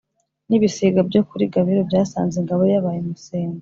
N’ibisiga byo kuli Gabiro byasanze ingabo ye yabaye umusengo,